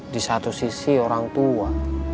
di satu sisi orang tua